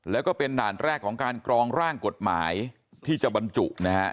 แล้วก็เป็นด่านแรกของการกรองร่างกฎหมายที่จะบรรจุนะฮะ